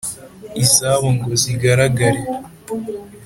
Izabo ngo zigaragare,